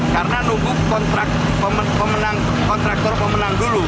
karena nunggu kontraktor pemenang dulu